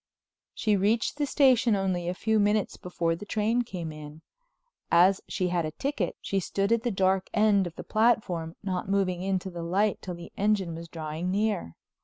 She reached the station only a few minutes before the train came in. As she had a ticket, she stood at the dark end of the platform, not moving into the light till the engine was drawing near.